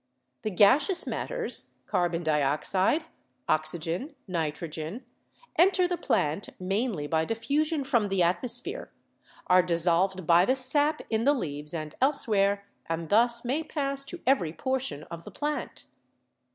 The gaseous matters (carbon dioxide, oxygen, nitrogen) enter the plant mainly by diffu sion from the atmosphere, are dissolved by the sap in the leaves and elsewhere and thus may pass to every portion of the plant.